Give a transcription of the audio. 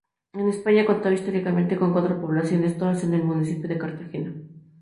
En España, contaba históricamente con cuatro poblaciones, todas en el municipio de Cartagena.